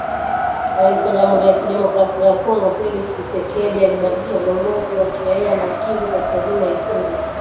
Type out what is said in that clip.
Rais wa Jamhuri ya kidemokrasia ya Kongo Felix Thisekedi alibadilisha viongozi wa kiraia wa Kivu Kaskazini na Ituri.